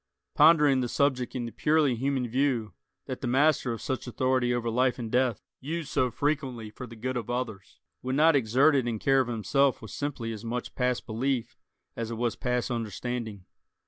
Pondering the subject in the purely human view, that the master of such authority over life and death, used so frequently for the good of others, would not exert it in care of himself was simply as much past belief as it was past understanding.